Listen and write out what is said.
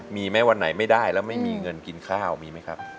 มีไหมวันไหนไม่ได้แล้วไม่มีเงินกินข้าวมีไหมครับ